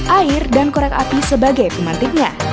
air dan korek api sebagai pemantiknya